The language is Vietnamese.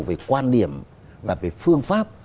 về quan điểm và về phương pháp